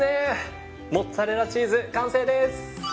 モッツァレラチーズ完成です。